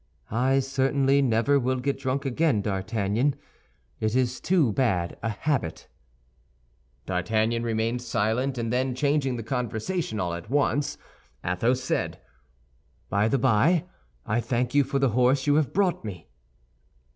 "I certainly never will get drunk again, D'Artagnan; it is too bad a habit." D'Artagnan remained silent; and then changing the conversation all at once, Athos said: "By the by, I thank you for the horse you have brought me."